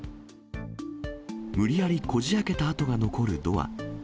無理やりこじあけた跡が残るドア。